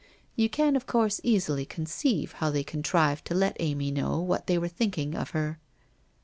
You can, of course, easily conceive how they con trived to let Amy know what they were thinking of her?'